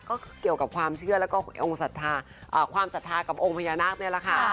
ก็เกี่ยวกับความเชื่อแล้วก็องค์ความศรัทธากับองค์พญานาคนี่แหละค่ะ